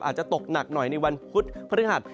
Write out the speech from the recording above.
อาจจะตกหนักหน่อยในวันพุฒิภรรยาธรรม